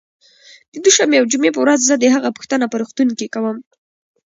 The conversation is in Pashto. دوشنبې او جمعې په ورځ زه د هغه پوښتنه په روغتون کې کوم